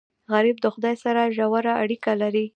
غریب له خدای سره ژور اړیکه لري